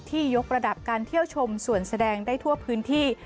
ยกระดับการเที่ยวชมส่วนแสดงได้ทั่วพื้นที่